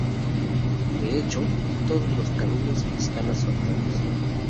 De hecho, todos los caminos están asfaltados.